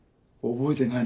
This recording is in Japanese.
覚えてない。